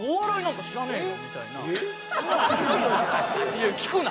いや「聞くな」。